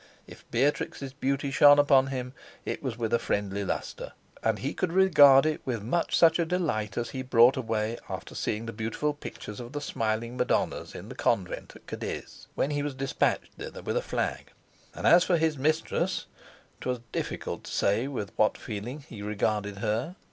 If Beatrix's beauty shone upon him, it was with a friendly lustre, and he could regard it with much such a delight as he brought away after seeing the beautiful pictures of the smiling Madonnas in the convent at Cadiz, when he was despatched thither with a flag; and as for his mistress, 'twas difficult to say with what a feeling he regarded her.